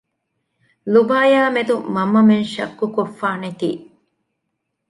ލޫބާޔާމެދު މަންމަމެން ޝައްކުކޮށްފާނެތީ